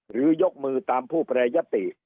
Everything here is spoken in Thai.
หรือยกมือตามผู้ประยะติ